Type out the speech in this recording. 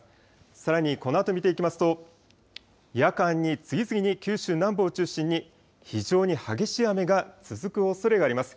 さらにこのあと見ていきますと、夜間に次々に九州南部を中心に、非常に激しい雨が続くおそれがあります。